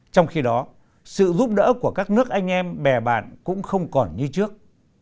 trong khi đó sự giúp đỡ của các nước anh em bè bạn cũng không còn như trước